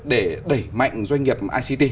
để đẩy mạnh doanh nghiệp ict